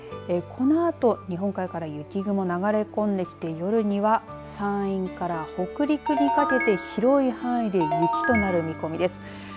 このあと日本海から雪雲、流れ込んできて夜には山陰から北陸にかけてお昼に広い範囲で雪となる見込みです。